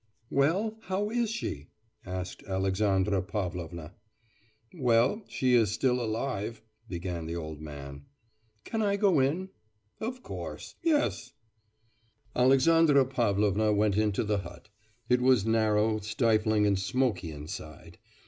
'Well, how is she?' asked Alexandra Pavlovna. 'Well, she is still alive,' began the old man. 'Can I go in?' 'Of course; yes.' Alexandra Pavlovna went into the hut. It was narrow, stifling, and smoky inside.